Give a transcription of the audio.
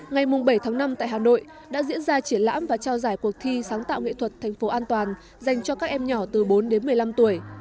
ngày bảy tháng năm tại hà nội đã diễn ra triển lãm và trao giải cuộc thi sáng tạo nghệ thuật thành phố an toàn dành cho các em nhỏ từ bốn đến một mươi năm tuổi